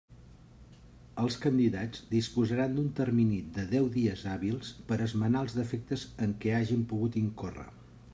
Els candidats disposaran d'un termini de deu dies hàbils per esmenar els defectes en què hagen pogut incórrer.